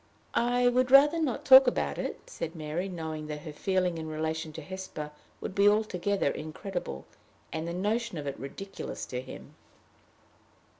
"I would rather not talk more about it," said Mary, knowing that her feeling in relation to Hesper would be altogether incredible, and the notion of it ridiculous to him.